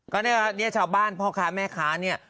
ก็เนี่ยชาวบ้านพ่อค้าแม่ค้าเนี่ย